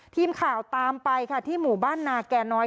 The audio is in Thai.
ทีมข่าวตามไปค่ะที่หมู่บ้านนาแก่น้อย